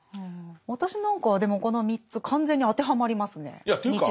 私なんかはでもこの３つ完全に当てはまりますね日常生活。